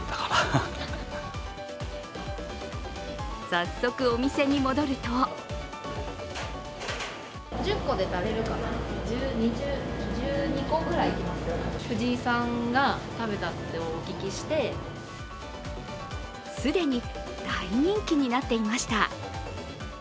早速、お店に戻ると既に大人気になっていました。